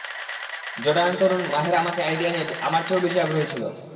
জর্ডানের তরুণ মাহের আমার আইডিয়া নিয়ে আমার চেয়েও বেশি আগ্রহী ছিল।